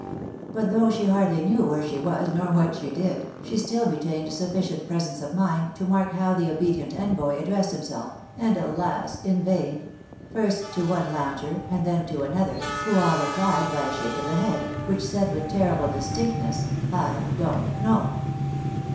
But though she hardly knew where she was, nor what she did, she still retained sufficient pre sence of mind to mark how the obedient envoy addressed him self (and, alas ! in vain) first to one lounger, and then to another, who all replied by a shake of the head, which said with terrible distinctness, " I don't know."